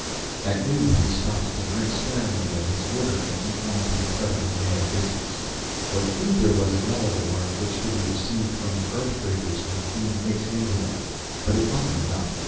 At noon he stopped to drink sparingly of his water and eat one of the incredibly bad biscuits. What food there was available or which could be received from the Earth freighters was being mixed into them, but it wasn't enough.